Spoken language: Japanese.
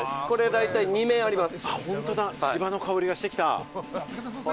大体これ、２面あります。